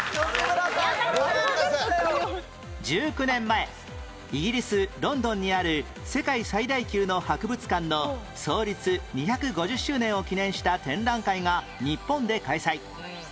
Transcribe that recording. １９年前イギリスロンドンにある世界最大級の博物館の創立２５０周年を記念した展覧会が日本で開催